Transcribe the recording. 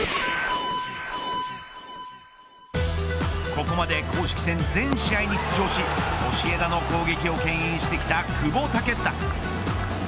ここまで公式戦全試合に出場しソシエダの攻撃をけん引してきた久保建英。